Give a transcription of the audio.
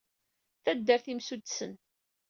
Taddart n yimsuddsen.